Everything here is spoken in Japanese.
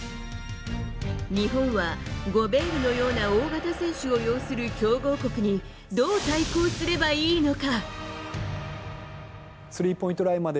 日本はゴベールのような大型選手を擁する強豪国にどう対抗すればいいのか。